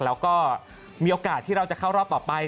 แล้วก็มีโอกาสที่เราจะเข้ารอบต่อไป